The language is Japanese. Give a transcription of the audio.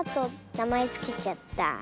なまえつけちゃった。